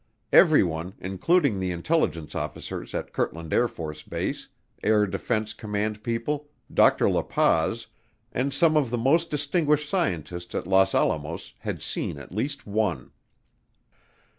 Everyone, including the intelligence officers at Kirtland AFB, Air Defense Command people, Dr. La Paz, and some of the most distinguished scientists at Los Alamos had seen at least one.